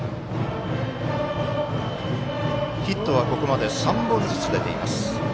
ヒットは、ここまで３本ずつ出ています。